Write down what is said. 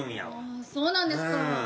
ああそうなんですか。